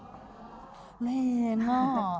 แรงส์นะ